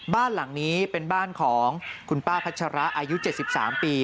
บ้านหลังนี้เป็นบ้านของคุณป้าพัชระอายุ๗๓ปี